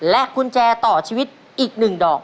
กุญแจต่อชีวิตอีก๑ดอก